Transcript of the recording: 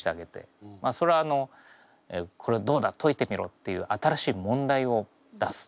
それは「これどうだ解いてみろ」っていう新しい問題を出す。